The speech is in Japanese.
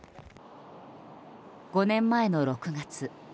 ５年前の６月。